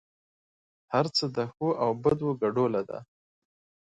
هر څه د ښو او بدو ګډوله ده.